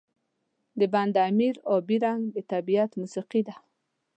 د بند امیر آبی رنګ د طبیعت موسيقي ده.